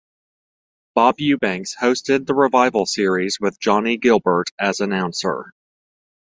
Bob Eubanks hosted the revival series with Johnny Gilbert as announcer.